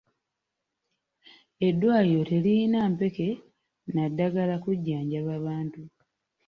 Eddwaliro teririna mpeke na ddagala kujjanjaba bantu.